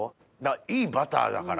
いいバターだから。